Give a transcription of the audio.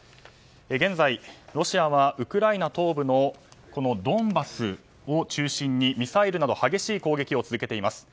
現在、ロシアはウクライナ東部のドンバスを中心にミサイルなど激しい攻撃を続けています。